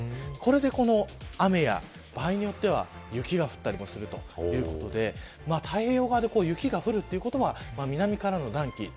これで雨や、場合によっては雪が降ったりもするということで太平洋側で雪が降るということは南からの暖気